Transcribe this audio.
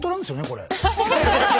これ。